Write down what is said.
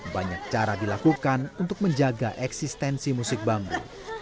banyak cara dilakukan untuk menjaga eksistensi musik bambu